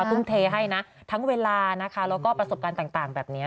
ทุ่มเทให้นะทั้งเวลานะคะแล้วก็ประสบการณ์ต่างแบบนี้